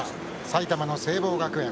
埼玉の聖望学園。